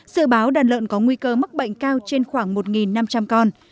dự báo đàn lợn có nguy cơ mắc bệnh cao trên khoảng một năm trăm linh con